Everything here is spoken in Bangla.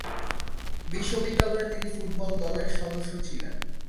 বিশ্ববিদ্যালয়ে তিনি ফুটবল দলের সদস্য ছিলেন।